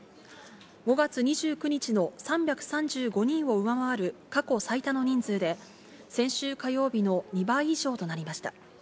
５月２９日の３３５人を上回る、過去最多の人数で、先週火曜日の２倍以上となりました。